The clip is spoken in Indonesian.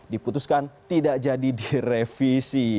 diputuskan tidak jadi direvisi